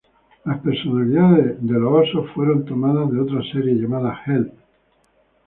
Las personalidades de los osos fueron tomadas de otra serie llamada "Help!...